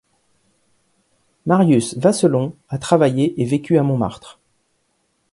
Marius Vasselon a travaillé et vécu à Montmartre.